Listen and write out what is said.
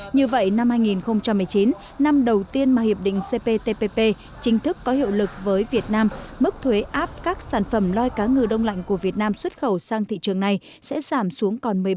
như vậy năm hai nghìn một mươi chín năm đầu tiên mà hiệp định cptpp chính thức có hiệu lực với việt nam mức thuế áp các sản phẩm lòi cá ngừ đông lạnh của việt nam xuất khẩu sang thị trường này sẽ giảm xuống còn một mươi bảy